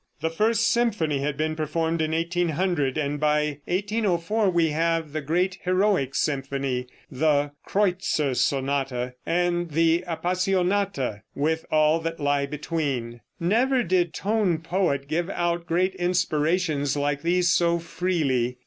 The first symphony had been performed in 1800, and by 1804 we have the great heroic symphony, the "Kreutzer Sonata," and the "Appassionata" with all that lie between. Never did tone poet give out great inspirations like these so freely.